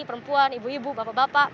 perempuan ibu ibu bapak bapak